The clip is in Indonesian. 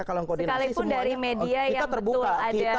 sekalipun dari media yang betul ada